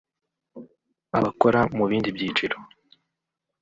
abakora mu bindi byiciro